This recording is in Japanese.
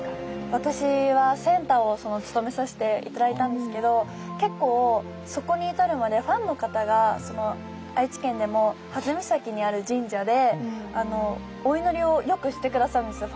私はセンターをつとめさせて頂いたんですけど結構そこに至るまでファンの方が愛知県でも羽豆岬にある神社でお祈りをよくして下さるんですよ